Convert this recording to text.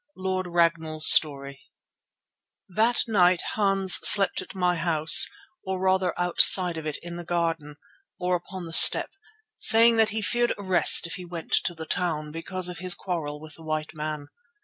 LORD RAGNALL'S STORY That night Hans slept at my house, or rather outside of it in the garden, or upon the stoep, saying that he feared arrest if he went to the town, because of his quarrel with the white man.